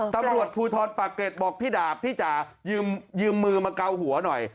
ตำรวจภูทรปากเกร็ดบอกพี่ดาบพี่จ๋ายืมมือมาเกาหัวหน่อย